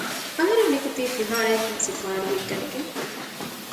އަހަރެން ނިކުތީ ފިހާރައަކުން ސުޕާރީއެއް ގަނެގެން